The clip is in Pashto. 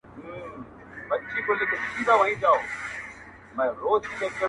• بس شكر دى الله چي يو بنگړى ورځينـي هېـر سو.